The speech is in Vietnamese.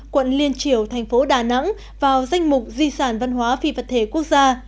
quận liên triều thành phố đà nẵng vào danh mục di sản văn hóa phi vật thể quốc gia